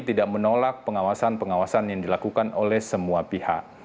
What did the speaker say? tidak menolak pengawasan pengawasan yang dilakukan oleh semua pihak